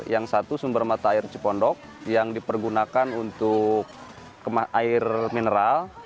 yang satu sumber mata air cipondok yang dipergunakan untuk air mineral